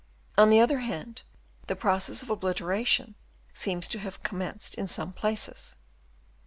On the other hand the process of obliteration seems to have com menced in some places.